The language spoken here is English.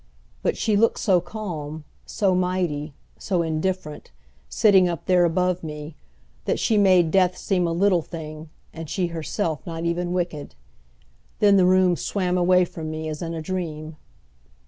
But she looked so calm, so mighty, so indifferent, sitting up there above me, that she made death seem a little thing, and she herself not even wicked. Then the room swam away from me as in a dream.